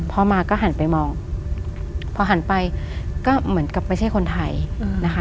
พอมาก็หันไปมองพอหันไปก็เหมือนกับไม่ใช่คนไทยนะคะ